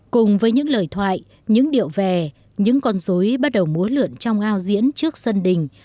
cùng với những lời thoại những điệu vè những con dối bắt đầu múa lượn trong ao diễn trước sân đình